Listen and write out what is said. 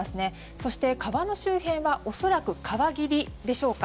そして、川の周辺は恐らく川霧でしょうか。